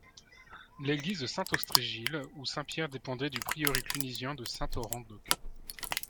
L'église Saint-Austrégésile ou Saint-Pierre dépendait du prieuré clunisien de Saint-Orens d'Auch.